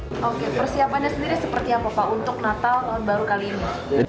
oke persiapannya sendiri seperti apa pak untuk natal tahun baru kali ini